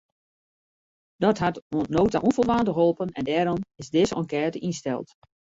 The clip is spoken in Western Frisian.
Dat hat oant no ta ûnfoldwaande holpen en dêrom is dizze enkête ynsteld.